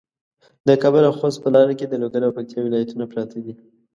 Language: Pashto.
د کابل او خوست په لاره کې د لوګر او پکتیا ولایتونه پراته دي.